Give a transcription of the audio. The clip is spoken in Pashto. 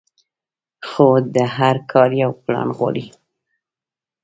خو هر کار يو پلان غواړي.